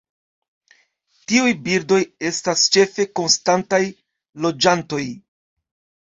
Tiuj birdoj estas ĉefe konstantaj loĝantoj.